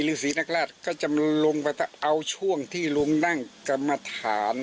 ฤษีนักราชก็จะลงไปเอาช่วงที่ลุงนั่งกรรมฐาน